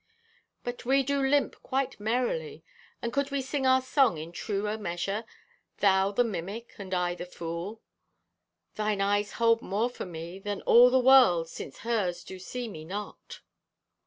"But we do limp quite merrily, and could we sing our song in truer measure—thou the mimic, and I the fool? Thine eyes hold more for me than all the world, since hers do see me not.